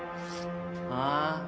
ああ？